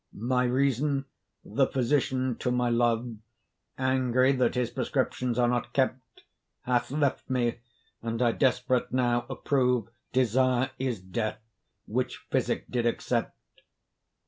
My reason, the physician to my love, Angry that his prescriptions are not kept, Hath left me, and I desperate now approve Desire is death, which physic did except.